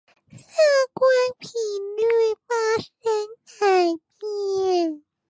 色光頻率發生改變